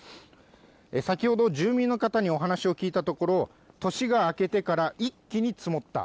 先ほど住民の方にお話を聞いたところ、年が明けてから一気に積もった。